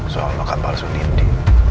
soal maka balsun indi